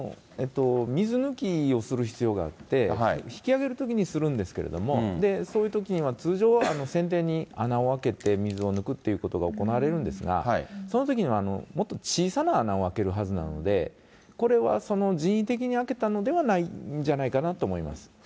水抜きをする必要があって、引き揚げるときにするんですけれども、そういうときには通常は船底に穴を開けて水を抜くっていうことが行われるんですが、そのときにはもっと小さな穴を開けるはずなんで、これはその人為的に開けたのではないんじゃないかなと思います。